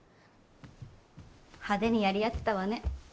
派手にやり合ってたわね。